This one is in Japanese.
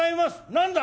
「何だ？」。